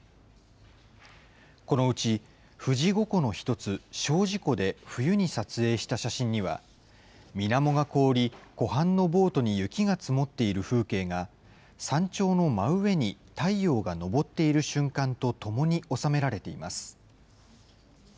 このうち、富士五湖の１つ、精進湖で冬に撮影した写真には、みなもが凍り、湖畔のボートに雪が積もっている風景が、山頂の真上に太陽が昇っている瞬間とともに収められています。